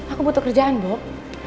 aku butuh kerjaan bob